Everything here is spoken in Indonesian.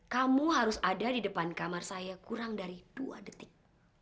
kamu harus ada di depan kamar saya kurang dari dua detik